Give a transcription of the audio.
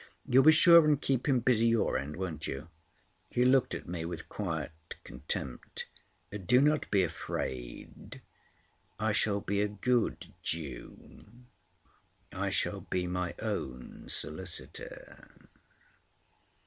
You'll be sure and keep him busy your end, won't you?" He looked at me with quiet contempt. "Do not be afraid. I shall be a good Jew. I shall be my own solicitor."